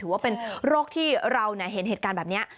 ถือว่าพระเจมส์มันเป็นโรคที่เราเห็นเหตุการณ์แบบเนี่ย